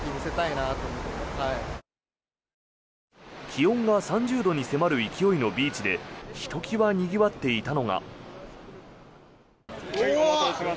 気温が３０度に迫る勢いのビーチでひときわにぎわっていたのが。